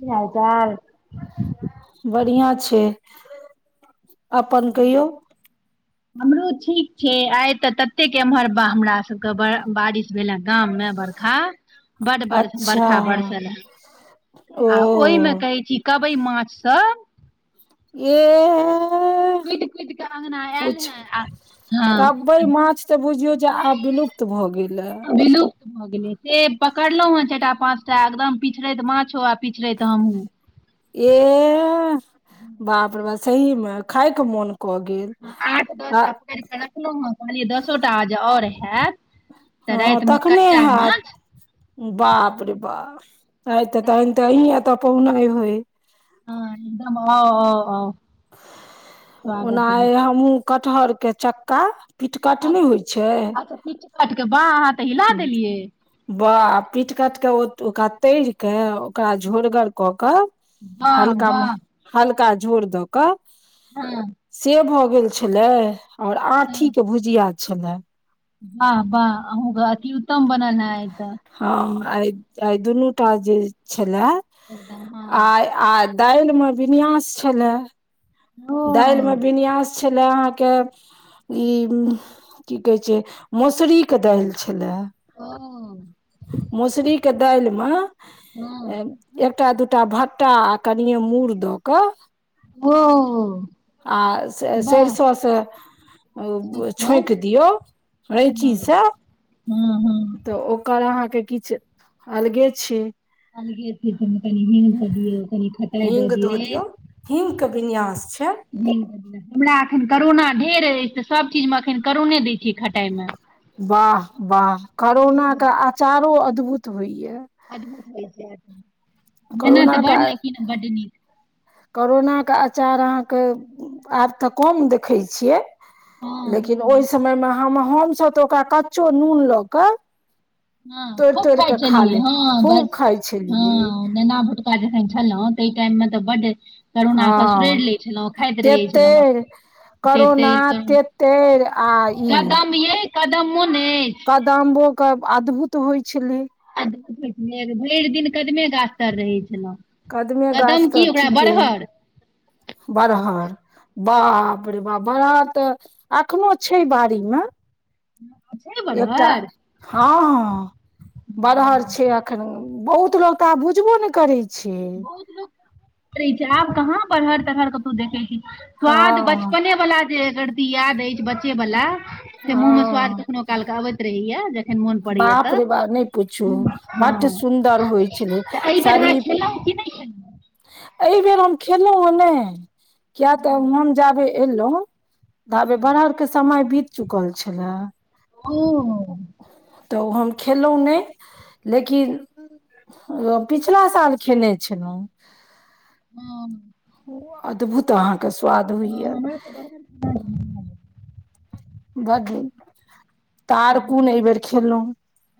की हाल चाल बढ़ियाँ छै अपन कहियौ हमरो ठीक छै आइ तऽ ततेक एम्हर बा हमरा सबके बारिश भेल ये गाम मे बरखा बड्ड ब अच्छा बरखा बरसल ये ओ आ ओहिमे कहैत छी कबइ माछसभ येह कुदि कुदि कऽ अङगना आयल पूछ हे आ कबइ हँ माछ तऽ बुझियौ जे आब बिलुप्त त भऽ गेलै विलुप्त भऽ गेलै से पकड़लहुं हँ चारि टा पाँच टा एकदम पिछड़ैत माछो आ पिछड़ैत हमहुँ एह बाप र बा सहीमे खायके मोन क गेल आठ आ [unintelligible] रखलहुँ हँ कहलियै दसो टा जै आओर हैत तऽ हँ रातिमे तखने कच्चा हैत। माछ बाप रे बा [unintelligible] हँ होय [unintelligible] अ अ अ ओना आय हमहुँ कटहर के चक्का पिटकट नहि होइ छैय। पिट कटि कऽ बाह अहाँ तऽ हिला देलियै। ब पीट कट क ओकरा तरि क ओकरा झोरगर कऽ कऽ वाह हल्का म वाह हल्का झोर द क हँ से भऽ गेल छलै और आठी के भुजिया छलै। बाह वाह अहँ अतिउत्तम बनैनाय तऽ। हँ आय आय दुनूटा जे छला एकदम आ हँ आ दालि मे विन्यास छलए। ओ दालिमे विन्यास छलै अहाँके ई की कहे छैय मसुरी के दालि छलै। ओ मोसरी के दायल मे ओ अ एकटा दूटा भट्टा आ कनिए मूड़ दऽ कऽ ओ आ वाह सैरसो से छक्कर छोकि दियौ हँ रैचीसँ हँ हँ तऽ ओकर अहाँके किछु अलगे छैय। [unintelligible] हिम के विन्यास छैय। हमरा अखन करोना ढेर अछि तऽ सब चीजमे एखन करोने दै छियै खटाइ मे। वाह वाह करोना के आचारो अद्भुत होइया। अद्भुत होइ छैय मेहनत करोना तऽ बड लेकिन बड नीक करोनाके आचार अहाँके आब तऽ कम देखैत छियै। हँ लेकिन हँ ओहि समयमे हम हमसभ तऽ ओकरा कच्चो नून लऽ कऽ हँ तोड़ि खूब तोड़ि खाइ कऽ खा छलीयै ले हँ ब खूब खाइ हँ छलियै नेना भुटका जखन छलहुं ताहि टाइम मे तऽ बड करोना हँ क सुरैड़ि लै छलहुँ खाइत रहै छलहुँ। तेतैर करोना तेतैर आ [unintelligible] ई कदम यै कदम मौन यै? कादाम्बो के अद्भुत होइ छलै। अद्भुत होइ छलै भरि दिन कदमे गाछ तर रहै छलहु कदमे गाछ कदम की ओकरा बरहर बरहर बाप रे बाप बड़हर तऽ एखनो छैय बाड़ी मे। छै एकटा बड़हर हँ ह बरहर छैय अखनो बहुत लोग तऽ आब बुझबो नै करै छै [unintelligible] आब कहाँ बहर तरहर कतौ देखै छी। स्वाद हँ बचपने वला जे एकरती याद हइ बचे वाला से मुंह मे स्वाद हँ कखनो काल के अबैत रहैया। जखैन मोन परैया बाप तऽ रे बाप नहि पूछू हां बड्ड सुन्दर होइ छलै त अही बेर [unintelligible] एहिबेर हम खेलहुँ हे नहि किया तऽ हम जाबे एलहुँ धबे हँ बरहरके समय बीत चुकल छलै। ओ तऽ हम खेलहुॅँ नहि लेकिन ओ पिछला साल खेने छलहुँ। ओ अद्भुत अहाँके स्वाद होइया। हमरा [unintelligible] बड तारकुन एहिबेर खेलहुँ।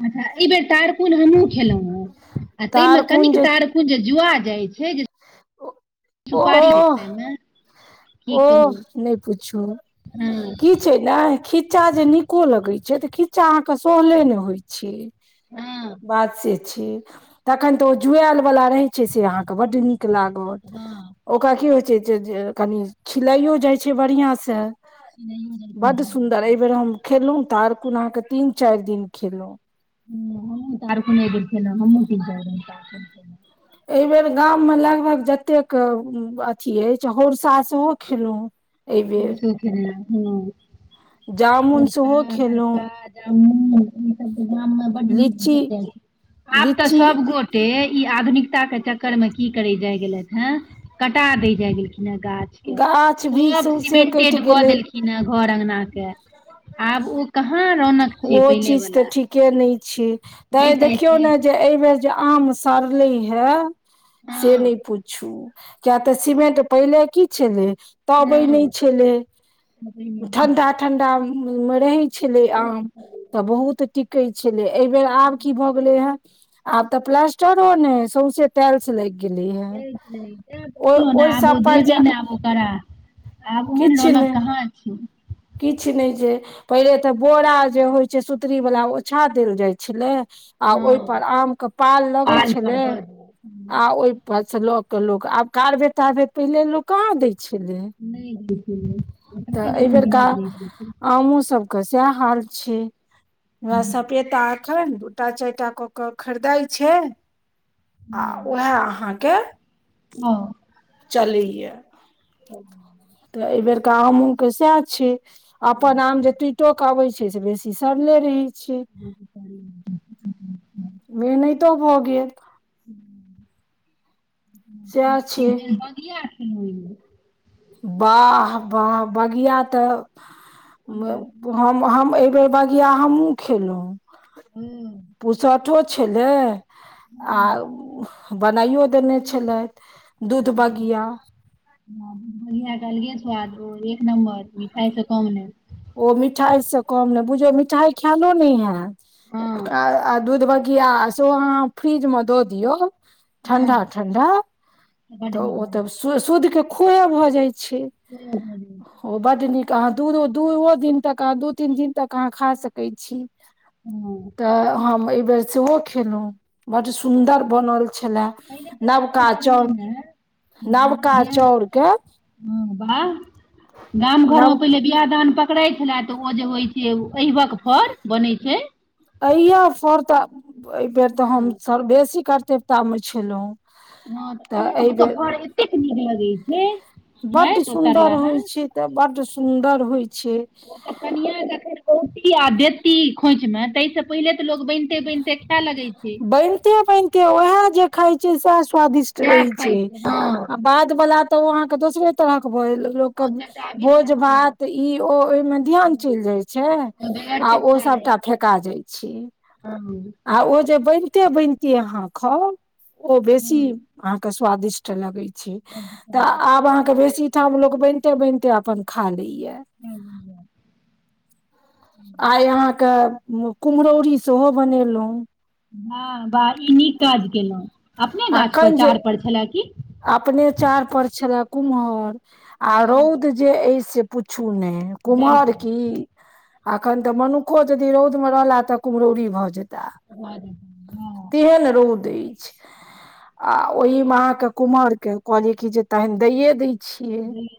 अच्छा एहि बेर तारकुन हमहुँ खेलहुँ हेँं आ ताहिमे तारकुन कनिक जे तार न जे जुआ जाइ छैय जे सुपारी दे ओह खायमे की ओह कहू नहि पूछू हँ की छैय ने खीच्चा जे नीको लगै छैय तऽ खीच्चा अहाँके सोहले नहि होइ छैय। हँ बात से छैय। तखन तऽ ओ जुआयल वाला रहै छैय से अहाँके बड्ड नीक लागत हँ ओकरा की होइ छैय जे जे कनि छिलाइयो जाइ छैय बढ़ियां से चिड़ैयो जाइ छै बड बढ़िआँ सुन्दर से हँ एहि बेेर हम खेलहुं तारकुन अहाँके हम तीन चारि दिन खेलहुं। ह ह तार कुण अही बेर खेलहु हमम्मू तीन [unintelligible] एहि बेर गाम मे लगभग जतेक अथी अछि हौरसा सेहो खेलहुँ। एहिबेर [unintelligible] जामुन सेहो पोरका खेलहु। लीची [unintelligible] आब तऽ लीची सब गो टे ई आधुनिकतााक के चक्कर मे की करे जाय गेलथि हे कटा दै जाइ गेलखिन ह गाछ। गाछ वृक्ष सब से कटि गेलै। कि ने घर अंगना के आब ओ कहाँ रौनक छैय पहिले वाल। के नहि छी तऽ देखियौ ने जे एहि बेर जे आम सड़लै हे से नहि हँ पूछू किया तऽ सीमेंट पहिले की छलै तबै नहि हँ छलै ठंडा ठंडा मे रहै छलै। आम तऽ बहुत टिकै छलै एहि बेर आब की भऽ गेलै ह आब तऽ प्लस्टरहो ने सउसे ओ ओहि सब [unintelligible] पर जे देबी ने आबो ओकरा। आब ओहन किछु रौनक नहि कहाँ छैय। किछु नहि छैय पहिले तऽ बोरा जे होइत छैय सुतरीवला ओछा देल जाइत छलै आ हँ ओहिप आम के पाल लगैत पर छलै दऽ दियौ हम्म, आ ओहि पस लऽ क लोक आब कारबे तारबे पहिले लोक कहाँ दय छलै। हूँ तऽ एहि बेर का छलखिन आमो सब क सैह हाल छैय [unintelligible] सपेता अखनि दुटा चारिटा कऽ केऽ खरीदाय छैय आ उएह अहाँके हँ चलैया। ह तऽ एहि बेेरका आमो के सैह छैय अपन आम तू टोक अबै छैय से बेसी सड़ले रहै छैय। बेनहितो भ गेल। सएह छै [unintelligible] वाह वाह बगिया तऽ हम हम एहि बेेर बगिया हमहुँ खेलहुँ। हू पुसठो छलै आ हँ बनाइयो देने छलथि दूध बगिया। बढ़िआ कहलियै स्वाद एक नम्बर मिठाइ से कम नहि। ओ मिठाई से कम ने बुझायौ मिठाई खेएलो नहि ह‌एत आ हँ आ दूध बगिया सोहो अहाँ फ्रिज मे दऽ दियौ ठंडा हँ ठंडा बड तऽ नीक ओ तऽ लागल शुध के खोये भऽ जाय छै [unintelligible] हो बड नीक अहाँ दू दूओ दिन तक अहाँ दू तीन दिन तक अहाँ खा सकैत छी हँ तऽ हम एहि बेेर सेहो खेलौ बड सुन्दर बनल छले पहिले तऽ गाम नवका घरमे चाउर ने नबका चाउरके ह बाह गाम घरमे नव पहिले बियाह दान पकड़ै छले तऽ ओ जे होय छै अहिबक फर बनै छै अहिया फर तऽ एहि बेर तऽ हम बेसी कर्तव्यता मे छलौं हँ अहियब के फर एतेक नीक लगै छै हें बड्ड त सुन्दर तरलाहा होइ छै तऽ बड सुंदर होय छै ओ तऽ कनिया जखन औती आ देती खोंचि मे ताहिसँ पहिले तऽ लोग बनि बनिते बनिते वएह जे खाय छियै सएह स्वादिष्ट सएह रहै खाइ छै हँ आ बाद वाला तऽ ओ अहाँके दोसरे तरह के भऽ ओ लोकके तटा भोज विधवा हँ भात ई ओ ओहिमे ध्यान चलि जाय छै ओ आ बेगरते ओ सभटा फेका जाय छै आ आ ओ जे बनिते बनिते अहाँ खाउ ओ बेसी हँ अहाँ क स्वादिष्ट लगै छै बड्ड तऽ आब अहांके बेसी ठाम लोग बनिते बनिते अपन खा ले ये स्वादिष्ट आय अहाँके कुम्हरौरी सेहो बनेलौ हँ बाह ई नीक काज केलहुँं अपने आ गाछ पर एखन जे चार पर छलए की अपने चार पर छले कुम्हर आ रौद हँ जे अय से पूछू ने जरि कुम्हर कऽ की अखन तऽ मनुक्खो यदि रौद मे रहला तऽ कुम्हरौरी भऽ जेताह [unintelligible] तेहन रौद अछि आ ओहिमे अहाँके कुमहर के कहलिय की जे तानि दैेये दही न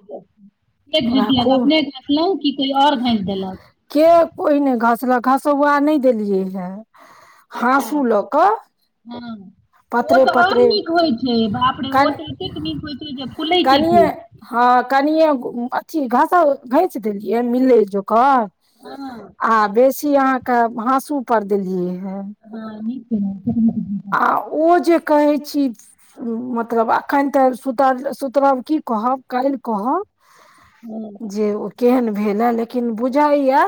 ब घसलक खूब अपने घसलहुँ कि कोइ आओर घसि देलक के कोहि नहि घसलक घसौआ नहि देलियै हे अच्छा हासू लऽ कऽ हँ ओ पातरे तऽ आओर पातरे नीक होइ बाप रे ओ तऽ ओतेक नीक होय छै जे फुलै छै कनिए खूब हँ कनिए अथी घासा घैंसि देलियै मिलै जोकर हँ आ बेसी अहाँके हाँसू पर देलियै हे हँ नीके केलियै आ ओ जे कहै छी मतलब अखन तऽ सुत सुतरब की कहब काल्हि कहब हूँ जे ओ केहन भेल हे लेकिन बुझै या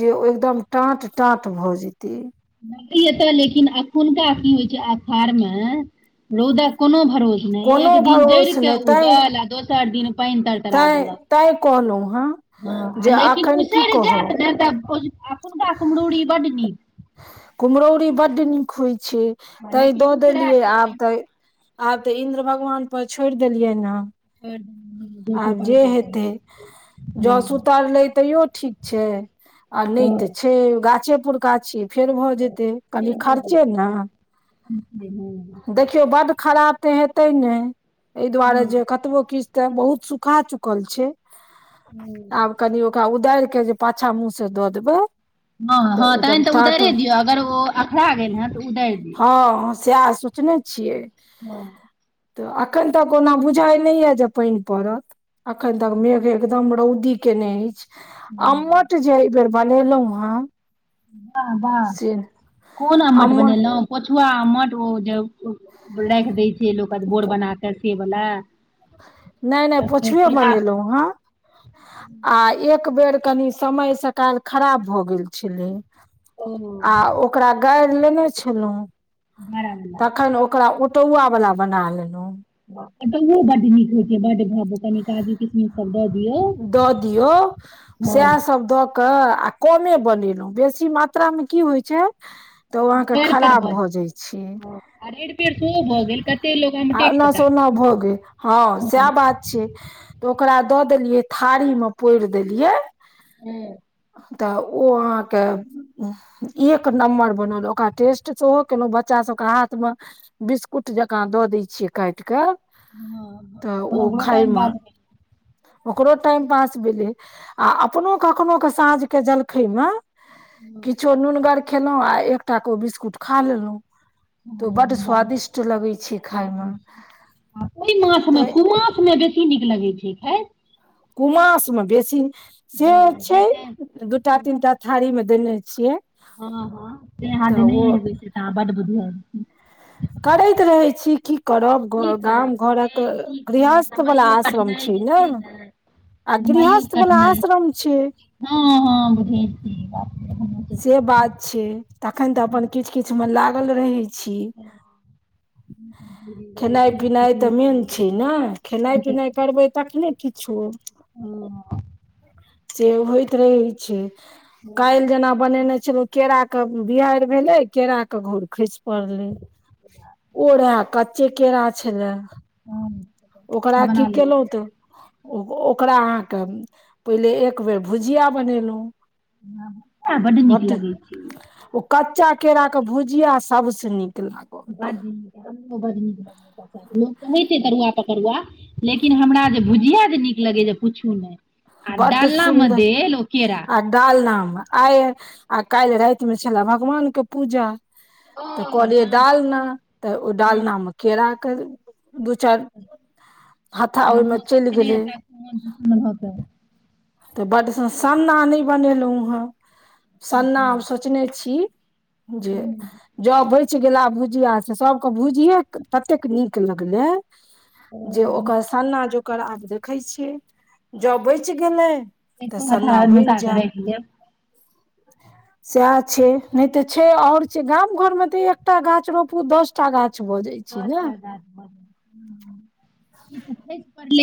जे एकदम टाट टाट भऽ जेतै नहि एतऽ लेकिन एखुनका की होय छै आषाढ़ मे रौदक कोनो भरोस नहि कोनो एक दिन जड़ि भरोस के नहि उगल आ दोसर दिन पानि तरतरा देलक ताहि कहलौ हँ ह लेकिन उसरि जायत ने तऽ अखुनका कुम्हरौरी बड नीक कुम्हरौरी बड्ड नीक होय छै हँ, तै लेकिन दऽ उसरय देलियै आब तखन तऽ आब तऽ इन्द्र भगवान पर छोड़ि देलियै हँ [inaudible] आब जे हेतैय जाव हँ सुतरले तैयो ठीक छै आ नहि तऽ हँ छै से गाछे पुुरका छै फेर भऽ जे कनि फेर भऽ खर्चे नऽ जेतै देख देखियौ बड खराब ते हेते नैय एहि दुआरे हँ जे कतबो किछ तऽ बहुत सुखा चुकल छै आब कनि ओकरा उदार के जे पाछा मुँह सँ दऽ देबै हँ हँ एकदम तहन तऽ टाट उदाइरे दियौ अगर ओ अखरा गेल हँ तऽ उदाहर दियौ सैह सोचने छियै हँ तऽ एखन तक ओना बुझाइ नहि यए जे पानि पड़त एखन तक मेघ एकदम रौदी केने अछि अमठ जे एहि बेर बनेलहु हँ वाह वाह कोन आम्मट अम्मट बनेलहुँ पोछुआ मठ ओ जे राखि दै छै लोक बोर बना कऽ से वला नहि नहि पोछुए बनेलहुँ हँ आ एक बेर कनी समय सकाल खराब भऽ गेल छलै ओ आ ओकरा गारि लेने छलहुँ बड़ा बला तखैन ओ ओकरा ओटौआ वालला बना लेलहुँ ओटोओ बड नीक होइ छै बड्ड भाबुक कनी काजू किसम सब दऽ दियो दऽ दियौ सएह सब दऽ कऽ आ कमे बनेलहुँ बेसी मात्रामे की होइ छै तऽ ओ अहाँके कर कर खराब भऽ जायत जाइ छै आ रेड पेड़ सेहो भऽ गेल कते लोक आ आमटे ओना खेता से ओना भऽ गेल हँ सैह बात छै तऽ ओकरा दऽ देलियै थारी मऽ पोड़ि देलियै हुँ तऽ ओ अहाँके एक नम्बर बनल ओकरा टेस्ट सेहो केलहुँ बच्चा सभके हाथ मऽ बिस्कुट जकाँ दऽ दै छियै काटि कऽ तऽ ओ ओकरो खाय टाइम मऽ पास भेल ओकरो टाइम पास भेलै आ अपनो कखनो के साँझके जलखै मऽ किछो नुनगर खेलहुँ आ एकटा केऽ ओ बिस्कुट खा लेलहुँ तऽ ओ बड वाह स्वादिष्ट लगै छै खाय मऽ आ ओहि मासमे कुमासमे बेसी नीक लगैत छै खाय कुमासमे बेसी से हँ छै जैसे दू टा तीन टा थारी मे देने छियै हँ हँ से आहाँ तऽ ओ देनैये हेबैय से तऽ आहाँ बड बधियार छी करैत रहै छी की करब की गाम करब यै घरक की कहू गृहस्थ वाला समयो आश्रम कटनाइ छै जे नऽ ने आ समयो गृहस्थ बला कटनाइ आश्रम छै हँ हँ बुझै छी ई बात तऽ हमहूँ से बात छै तखैन तऽ अपन किछ किछ मे लागल रहै छी खेनाई पिनाई तऽ मेन छै ने खेनाई पिनाई करबै तखने ठीक छो हँ से होइत रहै छै काल्हि जेना बनेने छलो केरा के बिहड़ि भेले केरा के घौर खैस परलै ओ रहे कच्चे केरा छलैय ओकरा की बना लेबै केलहु तऽ ओ ओकरा अहाँके पहिले एक बेर भुजिया बनेलौ [unintelligible] नीक बड लगै छै ओ कच्चा केरा के भुजिया सबस नीक लागत बड नीक ल होे तरुआ पकड़ुआ लेकिन हमरा जे भुजिया जे नीक लगै जे पुछू नहि आ डालना मे देल ओ केरा डालनाम आय आ काल्हि राति में छले भगवान के पूजा ओ तऽ कहलिये हँ डालना तऽ ओ हँ डालनामे केराके दू चारि हथा ओहिमे ब्राह्मणो सब चलि गेलै [unintelligible] तऽ बड सन्ना नहि बनेलौ हं सन्ना हम सोचने छी जे ज बचि गेला भुजिया सबके भुजिये ततेक नीक लगलै जे ओकर सन्ना जोकर आब देखै छियै जौ बच गेलै तऽ सन्ना कहत बनि नुका कऽ राखि लेब जाय सएह छै नहि तऽ छै आओर छै गाम घर मे तऽ एकटा गाछ रोपू दस टा गाछ भऽ जै छै दस ने हजार [unintelligible]